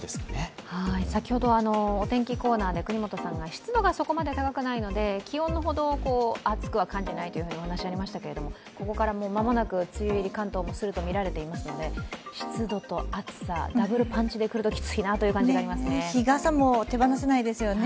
先ほどお天気コーナーで國本さんが湿度がそれほど高くないので、気温ほど暑くは感じないというお話がありましたけども、ここから間もなく梅雨入り、関東もするとみられていますので湿度と暑さ、ダブルパンチでくると日傘も手放せないですよね。